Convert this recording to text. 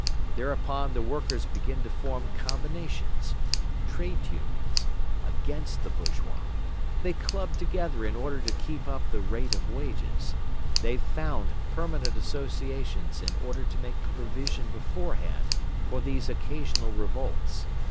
Thereupon the workers begin to form combinations (Trades Unions) against the bourgeois; they club together in order to keep up the rate of wages; they found permanent associations in order to make provision beforehand for these occasional revolts.